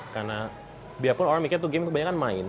karena biarpun orang mikir game itu kebanyakan main